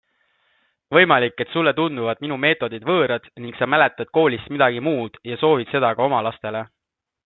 Võimalik, et sulle tunduvad minu meetodid võõrad ning sa mäletad koolist midagi muud ja soovid seda ka oma lastele.